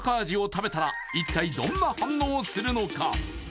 味を食べたら一体どんな反応をするのか？